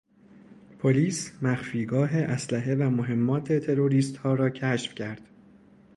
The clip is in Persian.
پلیس مخفیگاه اسلحه و مهمات تروریستها را کشف کرد.